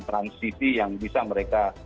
transisi yang bisa mereka